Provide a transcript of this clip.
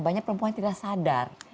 banyak perempuan tidak sadar